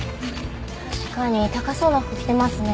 確かに高そうな服着てますね。